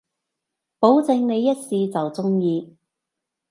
保證你一試就中意